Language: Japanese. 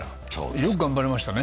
よく頑張りましたね。